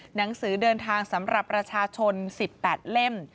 หนังสือเดินทางสำหรับประชาชน๑๘เล่ม